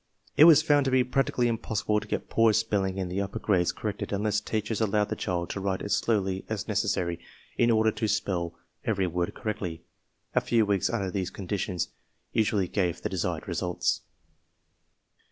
It was found to be practically impossible to get poor spelling in the upper grades corrected unless teachers allowed the child to write as slowly as neces sary in order to spell every word correctly. A few weeks under these conditions usually gave the desired results.